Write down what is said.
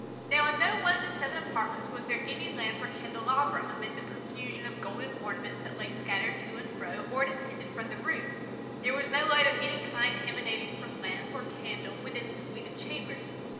Now in no one of the seven apartments was there any lamp or candelabrum, amid the profusion of golden ornaments that lay scattered to and fro or depended from the roof. There was no light of any kind emanating from lamp or candle within the suite of chambers.